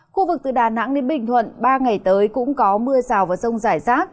khu vực từ đà nẵng đến bình thuận ba ngày tới cũng có mưa rào và rông rải rác